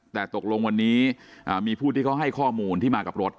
แต่ตกลงวันนี้มีผู้ที่เขาให้ข้อมูลที่มากับรถ